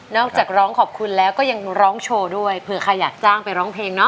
จากร้องขอบคุณแล้วก็ยังร้องโชว์ด้วยเผื่อใครอยากจ้างไปร้องเพลงเนาะ